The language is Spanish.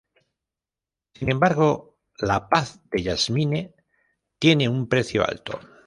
Sin embargo, la paz de Jasmine tiene un precio alto.